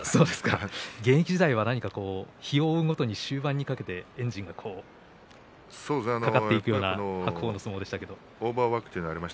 現役時代は日を追うごとにエンジンがかかっていくような白鵬の相撲でしたね。